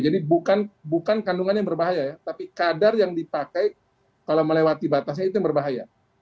jadi bukan kandungannya yang berbahaya ya tapi kadar yang dipakai kalau melewati batasnya itu yang berbahaya